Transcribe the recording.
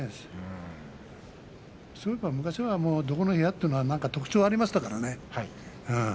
そういえば昔はどこの部屋というのは特徴がありましたからね。